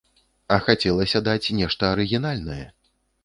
А хацелася даць нешта арыгінальнае.